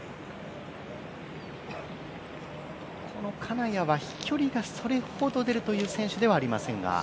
金谷は飛距離がそれほど出るという選手ではありませんが。